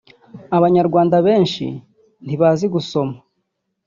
f) Abanyarwanda benshi ntibazi gusoma